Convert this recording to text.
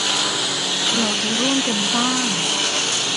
เราจะร่วมกันสร้าง